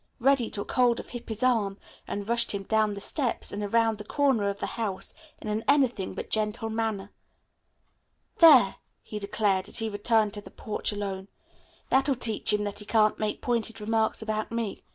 Reddy took hold of Hippy's arm and rushed him down the steps and around the corner of the house in an anything but gentle manner. "There," he declared, as he returned to the porch alone. "That will teach him that he can't make pointed remarks about me.